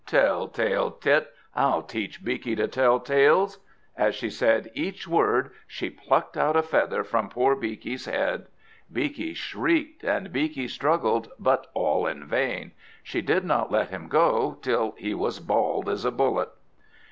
Tell tale tit! I'll teach Beaky to tell tales!" As she said each word, she plucked out a feather from poor Beaky's head. Beaky shrieked and Beaky struggled, but all in vain; she did not let him go till he was bald as a bullet.